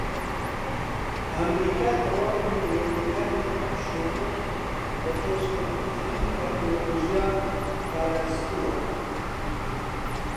ئەمریکا تەواوی نھێنییەکانی ئەم شوێنەی بە پێشکەوتووترین تەکنەلۆژیا پارازتووە